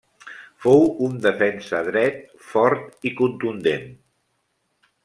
Fou un defensa dret fort i contundent.